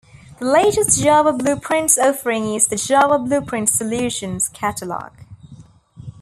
The latest Java BluePrints offering is the Java BluePrints Solutions Catalog.